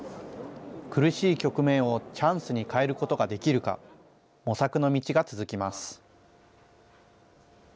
苦しい局面をチャンスに変えることができるか、模索の道が続きます。